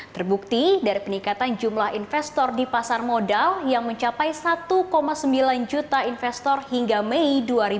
terbukti dari peningkatan jumlah investor di pasar modal yang mencapai satu sembilan juta investor hingga mei dua ribu dua puluh